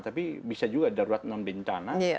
tapi bisa juga darurat non bencana